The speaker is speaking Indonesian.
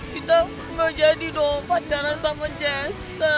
kita gak jadi doang pandaran sama jason